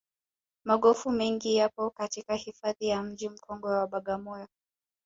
magofu mengi yapo katika hifadhi ya mji mkongwe wa bagamoyo